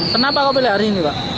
kenapa kau pilih hari ini pak